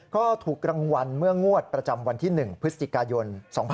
ก็ถูกรางวัลเมื่องวดประจำวันที่๑พฤศจิกายน๒๕๖๒